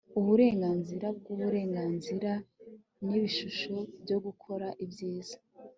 Uburenganzira bwuburenganzira nibishuko byo gukora ibyiza